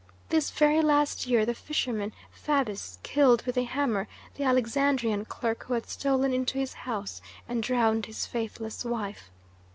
This very last year the fisherman Phabis killed with a hammer the Alexandrian clerk who had stolen into his house, and drowned his faithless wife.